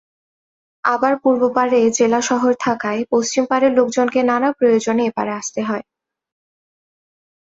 আবার পূর্বপারে জেলা শহর থাকায় পশ্চিমপারের লোকজনকে নানা প্রয়োজনে এপারে আসতে হয়।